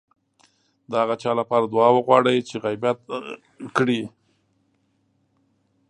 د هغه چا لپاره دعا وغواړئ چې غيبت کړی.